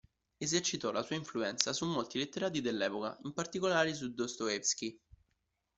Esercitò la sua influenza su molti letterati dell'epoca, in particolare su Dostoevskij.